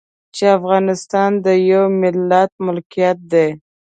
چې افغانستان د يوه ملت ملکيت دی.